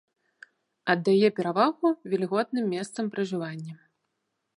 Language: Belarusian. Аддае перавагу вільготным месцам пражывання.